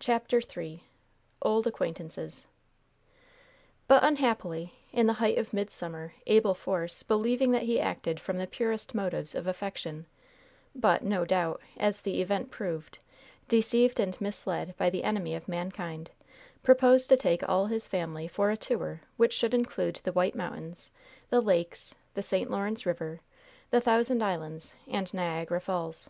CHAPTER III OLD ACQUAINTANCES But, unhappily, in the height of midsummer, Abel Force, believing that he acted from the purest motives of affection, but no doubt as the event proved, deceived and misled by the enemy of mankind, proposed to take all his family for a tour which should include the White Mountains, the Lakes, the St. Lawrence River, the Thousand Islands and Niagara Falls.